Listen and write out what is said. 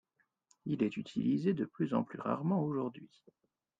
Il est utilisé de plus en plus rarement aujourd'hui.